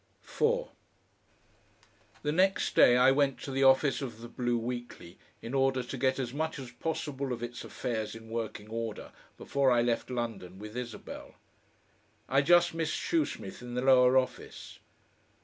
4 The next day I went to the office of the BLUE WEEKLY in order to get as much as possible of its affairs in working order before I left London with Isabel. I just missed Shoesmith in the lower office.